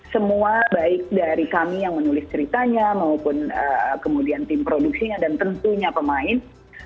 semua baik dari kami yang menulis ceritanya maupun kemudian tim produksinya dan tentunya pemain